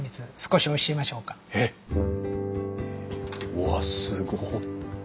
うわすごっ！